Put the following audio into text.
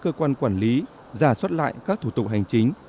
cơ quan quản lý giả soát lại các thủ tục hành chính